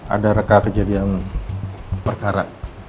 ada reka kejadian perkara